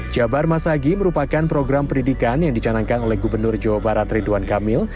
jabar masagi merupakan program pendidikan yang dicanangkan oleh gubernur jawa barat ridwan kamil